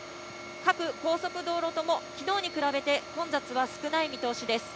各高速道路とも、きのうに比べて混雑は少ない見通しです。